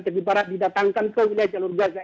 terlibarat didatangkan ke wilayah jalur gaza